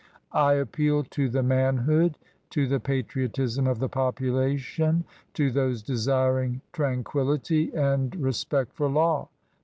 "I appeal to the manhood, to the patriotism of the population, to those desiring tranquillity and respect for law.